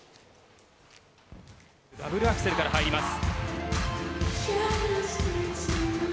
ダブルアクセルから入ります。